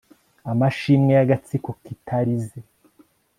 Amashimwe yagatsiko kitarize